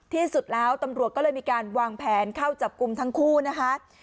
ที่สุดแล้วตำรวจก็เลยมีการวางแผนเข้าจับกลุ่มทั้งคู่นะคะ